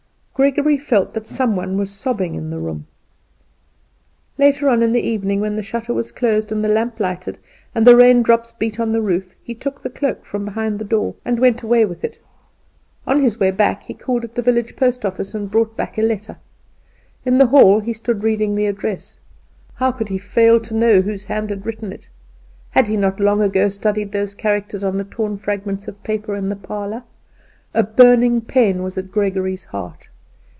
Gregory felt that some one was sobbing in the room. Late on in the evening, when the shutter was closed and the lamp lighted, and the rain drops beat on the roof, he took the cloak from behind the door and went away with it. On his way back he called at the village post office and brought back a letter. In the hall he stood reading the address. How could he fail to know whose hand had written it? Had he not long ago studied those characters on the torn fragments of paper in the old parlour? A burning pain was at Gregory's heart.